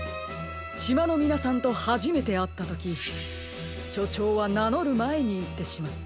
しまのみなさんとはじめてあったときしょちょうはなのるまえにいってしまった。